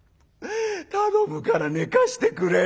頼むから寝かしてくれよ。